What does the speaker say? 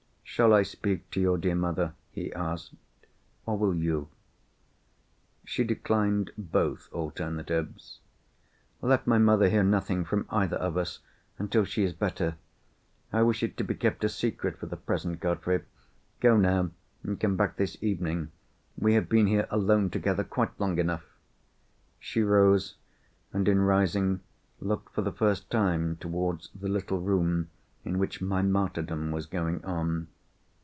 "Shall I speak to your dear mother?" he asked. "Or will you?" She declined both alternatives. "Let my mother hear nothing from either of us, until she is better. I wish it to be kept a secret for the present, Godfrey. Go now, and come back this evening. We have been here alone together quite long enough." She rose, and, in rising, looked for the first time towards the little room in which my martyrdom was going on.